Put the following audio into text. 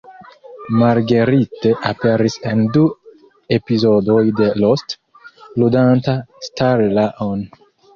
Marguerite aperis en du epizodoj de "Lost", ludanta Starla-on.